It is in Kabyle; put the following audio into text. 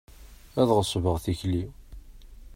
Ad ɣesbeɣ tikli.